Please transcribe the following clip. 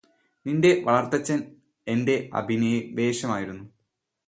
നിന്റെ വളര്ത്തച്ഛന് എന്റെ അഭിനിവേശമായിരുന്നു